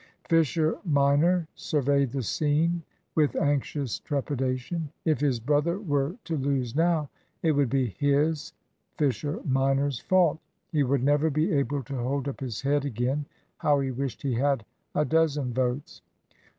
Fisher minor surveyed the scene with anxious trepidation. If his brother were to lose now, it would be his Fisher minor's fault. He would never be able to hold up his head again. How he wished he had a dozen votes!